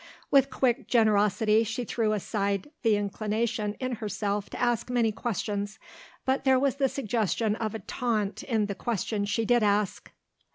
With quick generosity she threw aside the inclination in herself to ask many questions but there was the suggestion of a taunt in the question she did ask.